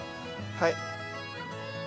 はい。